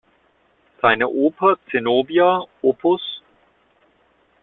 Seine Oper "Zenobia, Op.